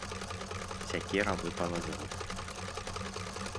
Сякера выпала з рук.